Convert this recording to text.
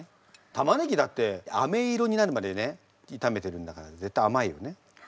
玉ねぎだってあめ色になるまでね炒めてるんだから絶対甘いよね。